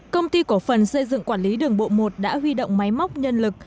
công ty cổ phần xây dựng quản lý đường bộ một đã huy động máy móc nhân lực